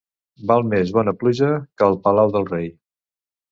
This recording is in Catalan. Val més bona pluja que el palau del rei.